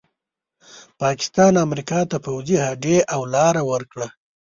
پاکستان امریکا ته پوځي هډې او لاره ورکړه.